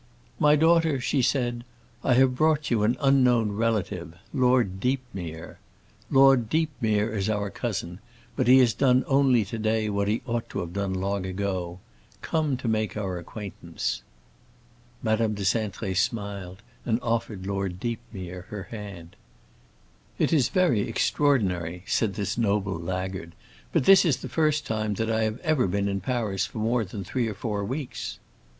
"My daughter," she said, "I have brought you an unknown relative, Lord Deepmere. Lord Deepmere is our cousin, but he has done only to day what he ought to have done long ago—come to make our acquaintance." Madame de Cintré smiled, and offered Lord Deepmere her hand. "It is very extraordinary," said this noble laggard, "but this is the first time that I have ever been in Paris for more than three or four weeks."